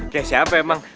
kayak siapa emang